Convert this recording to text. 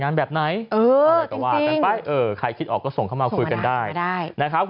งานแบบไหนอะไรก็ว่ากันไปใครคิดออกก็ส่งเข้ามาคุยกันได้